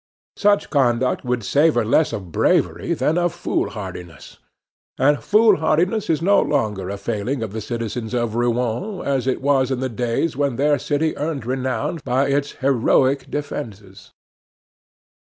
Such conduct would savor less of bravery than of fool hardiness. And foolhardiness is no longer a failing of the citizens of Rouen as it was in the days when their city earned renown by its heroic defenses.